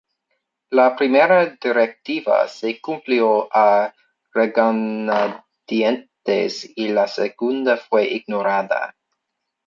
La primera directiva se cumplió a regañadientes y la segunda fue ignorada.